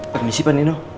permisi pak nino